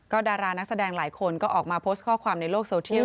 ดารานักแสดงหลายคนก็ออกมาโพสต์ข้อความในโลกโซเทียล